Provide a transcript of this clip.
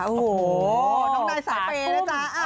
โอ้โฮน้องนายสาเฟนนะจ๊ะ